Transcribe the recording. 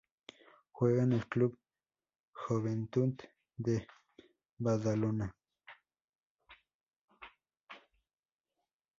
Juega en el Club Joventut de Badalona.